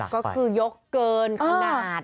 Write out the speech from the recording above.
ก็คือยกเกินขนาด